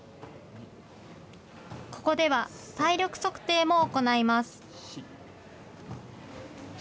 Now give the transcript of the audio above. ここでは体力測定も行います。